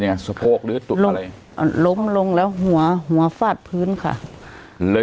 สะโพกหรือจุดอะไรล้มลงแล้วหัวหัวฟาดพื้นค่ะเลย